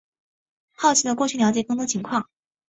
好奇的过去了解更多情况